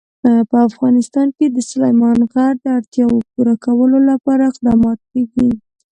په افغانستان کې د سلیمان غر د اړتیاوو پوره کولو لپاره اقدامات کېږي.